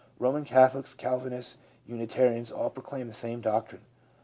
Eoman Catholics, Calvinists, Uni tarians, — all proclaim the same doctrine.